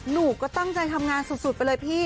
หนูก็ตั้งใจทำงานสุดไปเลยพี่